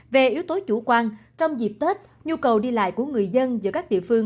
về yếu tố chủ quan trong dịp tết nhu cầu đi lại của người dân giữa các địa phương